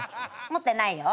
持ってないよ。